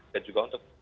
dan juga untuk